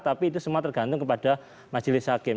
tapi itu semua tergantung kepada majelis hakim